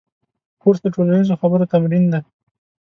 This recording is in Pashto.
کورس د ټولنیزو خبرو تمرین دی.